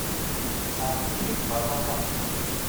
Sɛeddi-yi-d baṭaṭa.